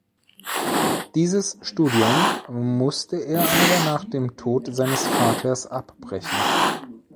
Dieses Studium musste er aber nach dem Tod seines Vaters abbrechen.